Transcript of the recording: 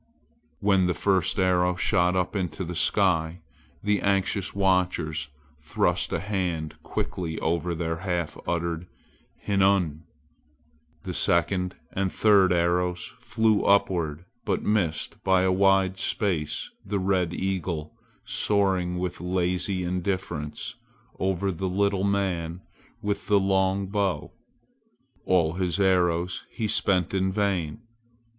When the first arrow shot up into the sky the anxious watchers thrust a hand quickly over their half uttered "hinnu!" The second and the third arrows flew upward but missed by a wide space the red eagle soaring with lazy indifference over the little man with the long bow. All his arrows he spent in vain.